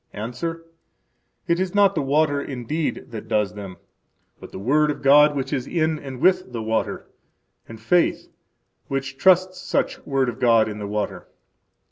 –Answer: It is not the water indeed that does them, but the word of God which is in and with the water, and faith, which trusts such word of God in the water.